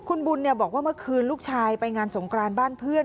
คุณบุญบอกว่าเมื่อคืนลูกชายไปงานสงกรานบ้านเพื่อน